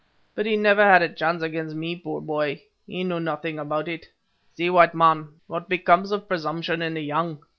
"But he never had a chance against me, poor boy. He knew nothing about it. See, white man, what becomes of presumption in the young.